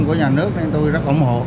của nhà nước nên tôi rất ủng hộ